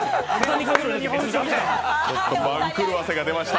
ちょっと番狂わせが出ました。